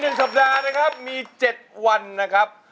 ใน๑สัปดาห์นะครับมี๗วันนะครับ